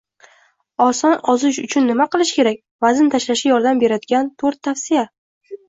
Oson ozish uchun nima qilish kerak? Vazn tashlashga yordam beradiganto´rttavsiya